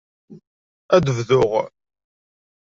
Ad bduɣ.